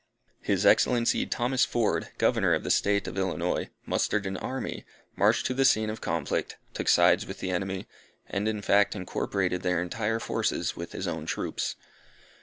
His Excellency, Thomas Ford, Governor of the State of Illinois, mustered an army, marched to the scene of conflict, took sides with the enemy, and in fact incorporated their entire forces with his own troops.